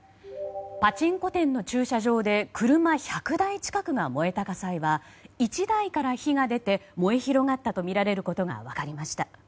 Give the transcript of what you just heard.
パチンコ店の駐車場で車１００台近くが燃えた火災は１台から火が出て燃え広がったとみられることが分かりました。